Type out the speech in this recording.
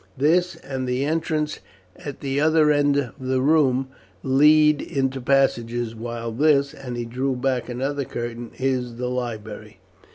This, and the entrance at the other end of the room, lead into passages, while this," and he drew back another curtain, "is the library."